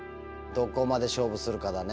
どこまで勝負するかだね。